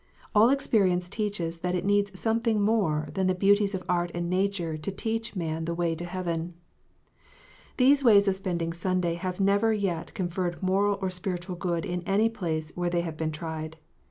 all experience teaches that it needs something more than the beauties of art and nature to teach man the way to heaven. These ways of spending Sunday have never yet conferred moral or spiritual good in any place where they have been tried.